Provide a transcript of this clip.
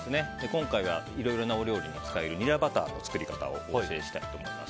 今回はいろいろなお料理に使えるニラバターの作り方をお教えしたいと思います。